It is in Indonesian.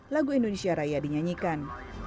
lagu indonesia raya dinyanyikan